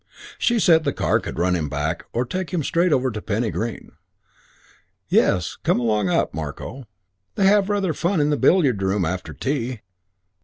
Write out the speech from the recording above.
She said the car could run him back, or take him straight over to Penny Green. "Yes, come along up, Marko. They have rather fun in the billiard room after tea."